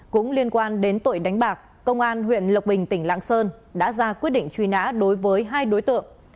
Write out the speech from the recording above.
các đối tượng đã ra quyết định truy nã đối với hai đối tượng